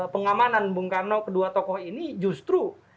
pengamanan bung karno kedua tokoh ini justru